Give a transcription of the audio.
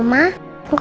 enggak belum pulang ya